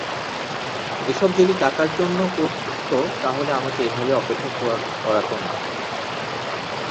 এসব যদি টাকার জন্যে করত তাহলে আমাকে এভাবে অপেক্ষা করাতো না।